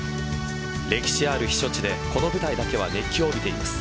歴史ある避暑地でこの舞台だけは熱気を帯びています。